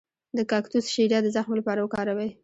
د کاکتوس شیره د زخم لپاره وکاروئ